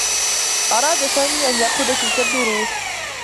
أراد سامي أن يأخذ تلك الدّروس.